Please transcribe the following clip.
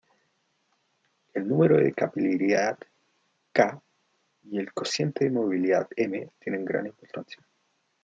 El número de capilaridad "Ca" y el cociente de movilidad "M" tienen gran importancia.